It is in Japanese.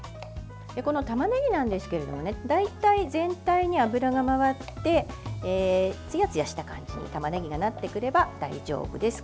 このたまねぎなんですけれども大体、全体に油が回ってつやつやした感じにたまねぎがなってくれば大丈夫です。